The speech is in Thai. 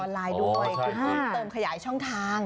ออนไลน์ด้วยเติมขยายช่องทาง